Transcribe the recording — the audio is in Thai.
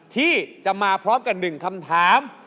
ที่จะมาพร้อมกับหนึ่งคำถาม